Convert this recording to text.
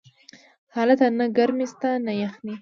هلته نه گرمي سته نه يخني.